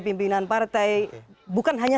pimpinan partai bukan hanya